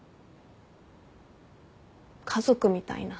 家族みたいな。